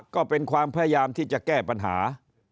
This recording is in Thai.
ก็เป็นความพยายามที่จะแก้ปัญหา